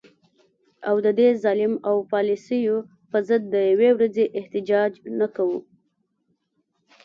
او د دې ظلم او پالیسو په ضد د یوې ورځي احتجاج نه کوو